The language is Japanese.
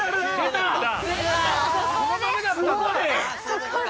◆すごい。